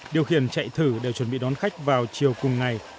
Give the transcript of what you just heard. điều khiển chạy thử đều chuẩn bị đón khách vào chiều cùng ngày